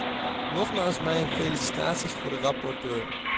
Nogmaals mijn felicitaties voor de rapporteur.